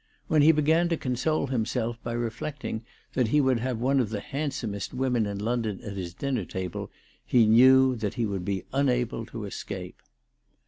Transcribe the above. When he began to console himself by reflecting that he would have one of the handsomest women in London at his dinner table he knew that he would be unable to escape.